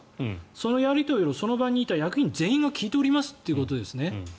そのやり取りをその場にいた役員全員が聞いておりますということですよね。